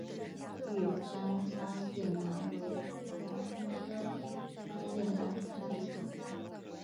玉山双叶兰为兰科双叶兰属下的一个种。